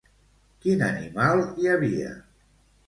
Quin animal hi havia?